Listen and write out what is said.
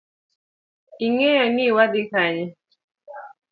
Ing’eyoni wadhi Kanye?